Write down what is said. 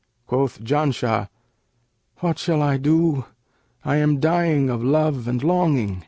Quoth Janshah, 'What shall I do? I am dying of love and longing.'